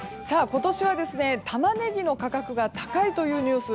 今年はタマネギの価格が高いというニュース